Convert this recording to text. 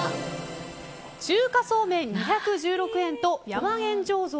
中華そうめん２１６円と山元醸造